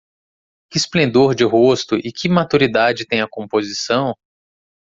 Que esplendor de rosto e que maturidade tem a composição?